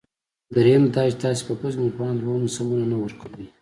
دریم دا چې تاسي په پوځ کې مسلمانانو ته لوړ منصبونه نه ورکوی.